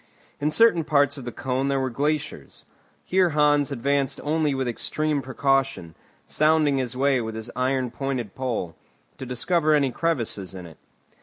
In certain parts of the cone there were glaciers. Here Hans advanced only with extreme precaution, sounding his way with his iron pointed pole, to discover any crevasses in it.